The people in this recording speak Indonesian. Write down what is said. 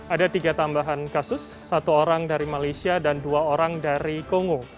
ada tiga tambahan kasus satu orang dari malaysia dan dua orang dari kongo